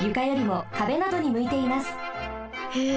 へえ。